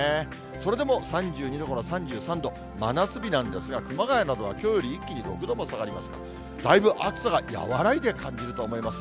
それでも３２度から３３度、真夏日なんですが、熊谷などはきょうより一気に６度も下がりますから、だいぶ暑さが和らいで感じると思います。